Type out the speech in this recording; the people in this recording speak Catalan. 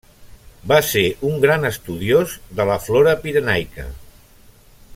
Va ser un gran estudiós de la flora pirenaica.